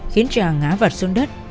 khiến chị hằng ngã vật xuống đất